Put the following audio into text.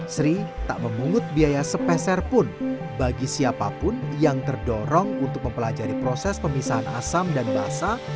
sri tak memungut biaya sepeserpun bagi siapapun yang terdorong untuk mempelajari proses pemisahan asam dan basah